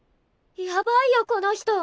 やばいよこの人！